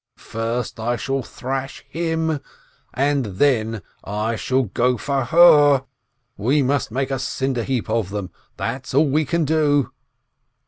First I shall thrash him, and then I shall go for her! We must make a cinder heap of them; it's all we can do."